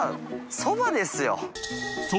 そばですよ。